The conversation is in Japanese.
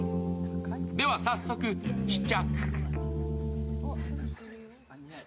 では、早速試着。